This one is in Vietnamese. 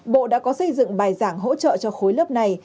bộ đã có xây dựng bài giảng hỗ trợ cho khối lớp này